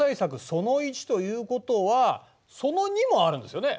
その１ということはその２もあるんですよね。